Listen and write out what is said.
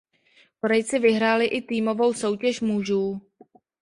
Korejci vyhráli i týmovou soutěž mužů.